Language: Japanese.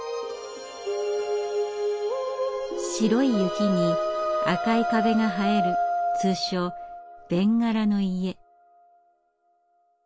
白い雪に赤い壁が映える通称「べんがらの家」。